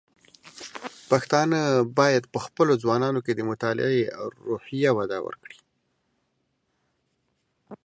پښتانه بايد په خپلو ځوانانو کې د مطالعې روحيه وده ورکړي.